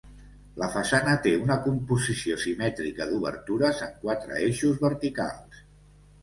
La façana té una composició simètrica d'obertures en quatre eixos verticals.